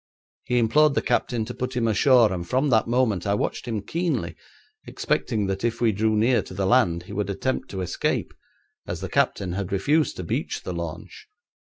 He implored the captain to put him ashore, and from that moment I watched him keenly, expecting that if we drew near to the land he would attempt to escape, as the captain had refused to beach the launch.